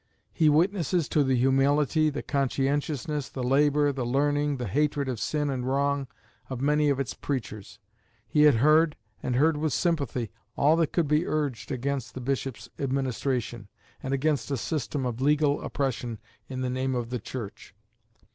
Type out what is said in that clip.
He witnesses to the humility, the conscientiousness, the labour, the learning, the hatred of sin and wrong, of many of its preachers. He had heard, and heard with sympathy, all that could be urged against the bishops' administration, and against a system of legal oppression in the name of the Church.